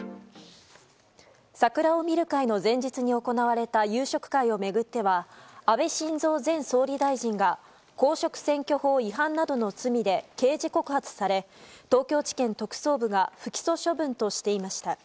桜を見る会の前日に行われた夕食会を巡っては安倍晋三前総理大臣が公職選挙法違反などの罪で刑事告発され東京地検特捜部が不起訴処分としていました。